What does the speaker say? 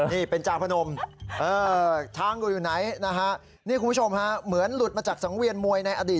นี่เป็นเจ้าพนมช้างก็อยู่ไหนนะฮะนี่คุณผู้ชมฮะเหมือนหลุดมาจากสังเวียนมวยในอดีต